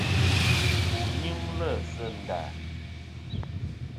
Wu nyɨmlɨ sɨ nda ?